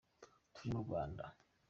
Turi mu Rwanda.